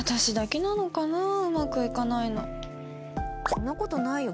そんな事ないよ。